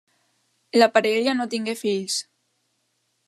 La parella no tingué fills.